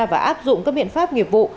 và áp dụng các biện pháp nghiệp vụ